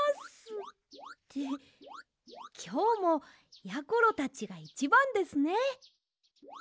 ってきょうもやころたちがいちばんですね。